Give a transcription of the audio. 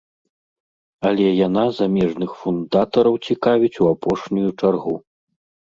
Але яна замежных фундатараў цікавіць у апошнюю чаргу.